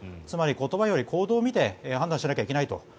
つまり、言葉より行動を見て判断しなきゃいけないと。